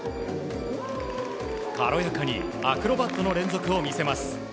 軽やかにアクロバットの連続を見せます。